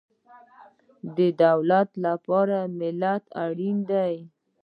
د دولت لپاره ملت اړین دی